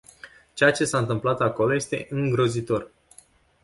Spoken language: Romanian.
Ceea ce s-a întâmplat acolo este îngrozitor.